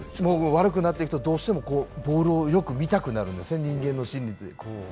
悪くなると、どうしてもボールをよく見たくなるんですね、人間の心理で。